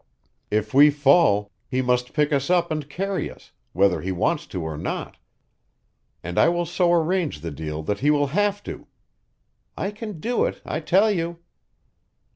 If we fall, he must pick us up and carry us, whether he wants to or not; and I will so arrange the deal that he will have to. I can do it, I tell you."